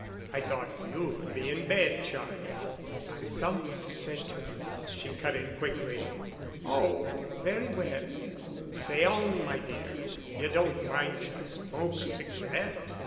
"I thought you'd be in bed, child——" "I've something to say to you——" she cut in quickly. "Oh, very well,—say on, my dear. You don't mind if I smoke a cigarette?"